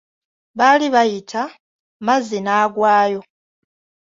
Baali bayita Mazzi n'agwayo.